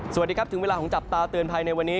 สวัสดีครับถึงเวลาของจับตาเตือนภัยในวันนี้